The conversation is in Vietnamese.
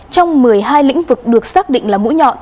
trong một mươi hai lĩnh vực được xác định là mũi nhọn